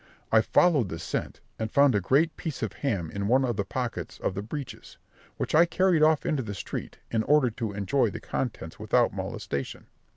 I followed the scent, and found a great piece of ham in one of the pockets of the breeches, which I carried off into the street, in order to enjoy the contents without molestation.